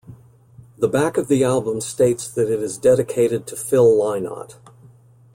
The back of the album states that it is dedicated to Phil Lynott.